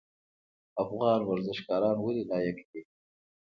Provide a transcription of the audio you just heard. افغان ورزشکاران ولې لایق دي؟